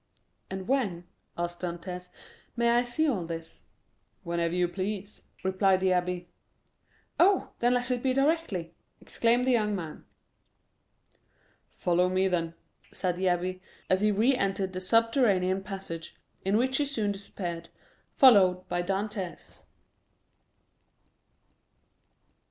"And when," asked Dantès, "may I see all this?" "Whenever you please," replied the abbé. "Oh, then let it be directly!" exclaimed the young man. "Follow me, then," said the abbé, as he re entered the subterranean passage, in which he soon disappeared, followed by Dantès.